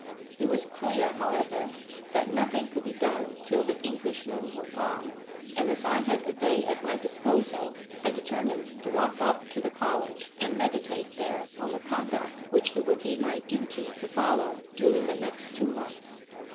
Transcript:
It was clear, however, that nothing could be done till the Englishmen were gone, and as I had a day at my disposal I determined to walk up to the college and meditate there on the conduct which it would be my duty to follow during the next two months.